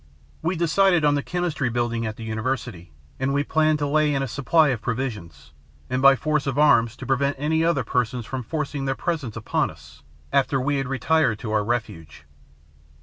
We decided on the Chemistry Building, at the university, and we planned to lay in a supply of provisions, and by force of arms to prevent any other persons from forcing their presence upon us after we had retired to our refuge.